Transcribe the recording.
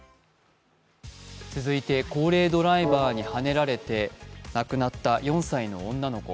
続いて高齢ドライバーにはねられて亡くなった４歳の女の子。